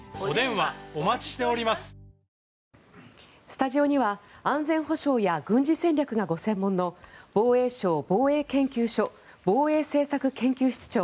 スタジオには安全保障や軍事戦略がご専門の防衛省防衛研究所防衛政策研究室長